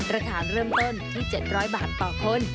ราคาเริ่มต้นที่๗๐๐บาทต่อคน